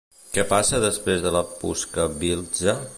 Què passa després de la Puska Biltze?